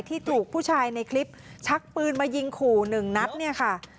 ที่ถูกผู้ชายในคลิปชักปืนมายิงขู่หนึ่งนัดเนี่ยค่ะ